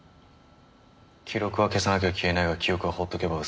記録は消さなきゃ消えないが記憶はほっとけば薄れる。